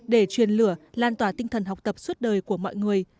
để truyền lửa lan tỏa tinh thần học tập suốt đời của mọi người